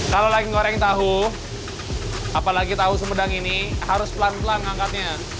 kalau lagi ngoreng tahu apalagi tahu sumedang ini harus pelan pelan angkatnya